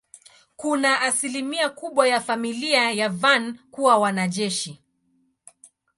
Kuna asilimia kubwa ya familia ya Van kuwa wanajeshi.